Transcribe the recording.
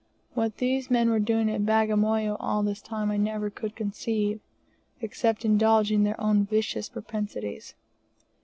What these men were doing at Bagamoyo all this time I never could conceive, except indulging their own vicious propensities.